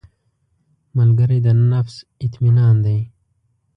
ملګری د نفس اطمینان دی